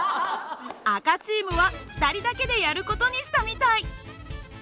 赤チームは２人だけでやる事にしたみたい。